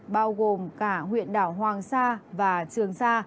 bao gồm cả huyện đảo hoàng sa và trường sa